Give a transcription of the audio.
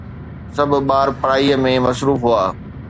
سڀ ٻار پڙهائيءَ ۾ مصروف هئا